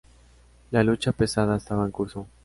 La lucha pesada estaba en curso.